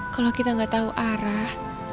kalo kita gak tau arah